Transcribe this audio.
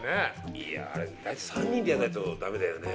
いやああれ３人でやらないとダメだよね。